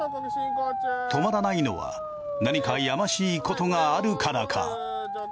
止まらないのは何かやましいことがあるからか？